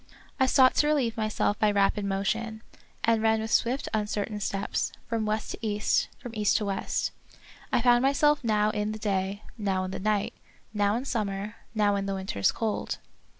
I sought to relieve myself by rapid motion, and ran with swift, uncertain steps, from west to of Peter Schlemihl. 109 east, from east to west. I found myself now in the day, now in the night ; now in summer, now in the winter's cold.